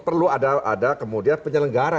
perlu ada kemudian penyelenggara